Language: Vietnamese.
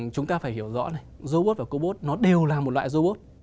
chúng ta phải hiểu rõ này robot và cô bốt nó đều là một loại robot